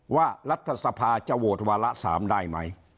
รัฐสภาจะโหวตวาระ๓ได้ไหม